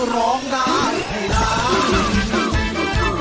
ร้องได้ให้ร้าน